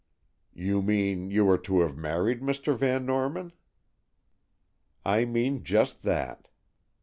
"You mean you were to have married Mr. Van Norman." "I mean just that."